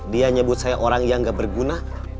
dia nyebut saya orang yang gak berguna